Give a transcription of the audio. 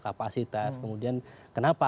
kapasitas kemudian kenapa